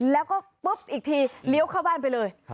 แล้วก็ปุ๊บอีกทีเลี้ยวเข้าบ้านไปเลย